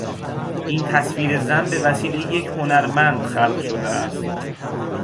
این تصویر زن بوسیله یک هنرمند خلق شده است.